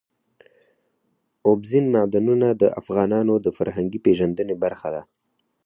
اوبزین معدنونه د افغانانو د فرهنګي پیژندنې برخه ده.